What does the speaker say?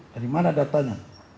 dari mana datanya